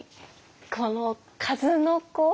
この「数の子」？